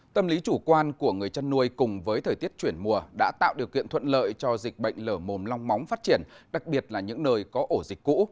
tâm lý chủ quan của người chăn nuôi cùng với thời tiết chuyển mùa đã tạo điều kiện thuận lợi cho dịch bệnh lở mồm long móng phát triển đặc biệt là những nơi có ổ dịch cũ